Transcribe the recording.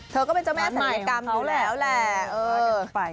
ก็เป็นเจ้าแม่ศัลยกรรมอยู่แล้วแหละ